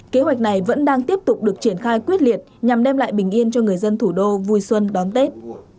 kế hoạch này vẫn đang tiếp tục được triển khai quyết liệt nhằm đem lại bình yên cho người dân thủ đô vui xuân đón tết